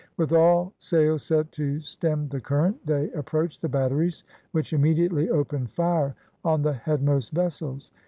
With all sail set to stem the current, they approached the batteries, which immediately opened fire on the headmost vessels.